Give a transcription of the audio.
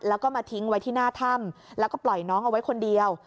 แล้วก็มาทิ้งไว้ที่หน้าถ้ำแล้วก็ปล่อยน้องเอาไว้คนเดียว